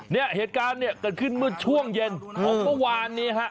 เนี่ยเหตุการณ์เนี่ยเกิดขึ้นเมื่อช่วงเย็นของเมื่อวานนี้ฮะ